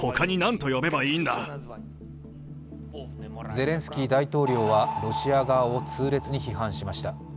ゼレンスキー大統領はロシア側を痛烈に批判しました。